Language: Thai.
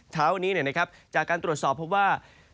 เช้าวันนี้จากการตรวจสอบพบว่า